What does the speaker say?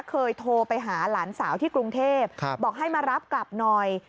เคยโทรไปหาหลานสาวที่กรุงเทพบอกให้มารับกลับหน่อย